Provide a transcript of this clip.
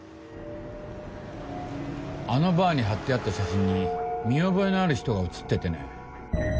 あのバーに張ってあった写真に見覚えのある人が写っててね。